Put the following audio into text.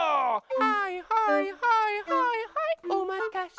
はいはいはいはいはいおまたせ。